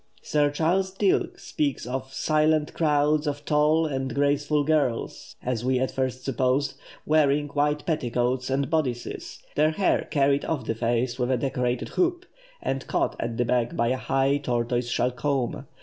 Sir Charles Dilke speaks of "silent crowds of tall and graceful girls, as we at first supposed, wearing white petticoats and bodices, their hair carried off the face with a decorated hoop, and caught at the back by a high tortoise shell comb.